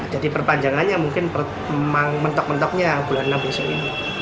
jadi perpanjangannya mungkin mentok mentoknya bulan enam besok ini